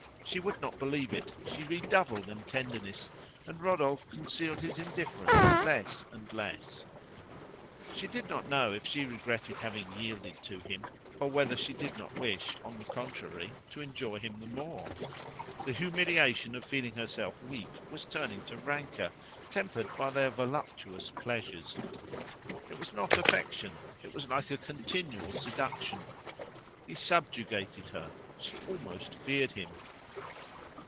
She would not believe it; she redoubled in tenderness, and Rodolphe concealed his indifference less and less. She did not know if she regretted having yielded to him, or whether she did not wish, on the contrary, to enjoy him the more. The humiliation of feeling herself weak was turning to rancour, tempered by their voluptuous pleasures. It was not affection; it was like a continual seduction. He subjugated her; she almost feared him.